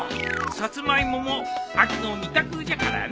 サツマイモも秋の味覚じゃからの。